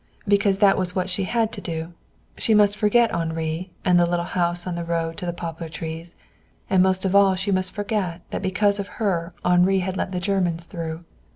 Because that was what she had to do. She must forget Henri and the little house on the road to the poplar trees; and most of all, she must forget that because of her Henri had let the Germans through.